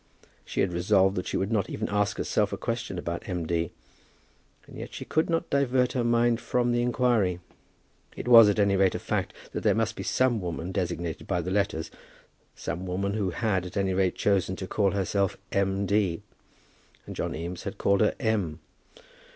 She had resolved that she would not even ask herself a question about M. D., and yet she could not divert her mind from the inquiry. It was, at any rate, a fact that there must be some woman designated by the letters, some woman who had, at any rate, chosen to call herself M. D. And John Eames had called her M.